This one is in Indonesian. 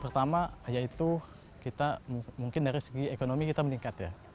pertama yaitu kita mungkin dari segi ekonomi kita meningkat ya